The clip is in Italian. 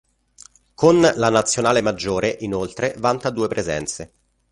Con la Nazionale maggiore, inoltre, vanta due presenze.